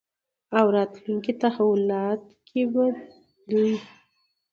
او راتلونکې تحولاتو کې به دوی